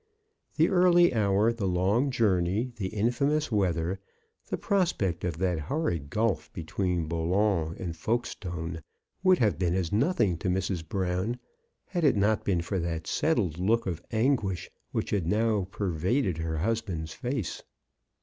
The early hour, the long journey, the infamous weather, the prospect of that horrid gulf between Boulogne and Folkestone, would have been as nothing to Mrs. Brown, had it not been for that settled look of anguish which had now pervaded her husband's face.